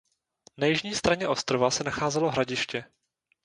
Na jižní straně ostrova se nacházelo hradiště.